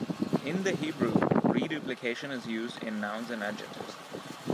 In the Hebrew, reduplication is used in nouns and adjectives.